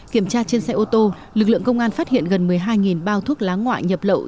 kiểm tra trên xe ô tô lực lượng công an phát hiện gần một mươi hai bao thuốc lá ngoại nhập lậu